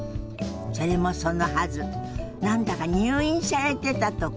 それもそのはず何だか入院されてたとか。